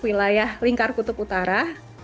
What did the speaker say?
wilayah lingkar kutub utara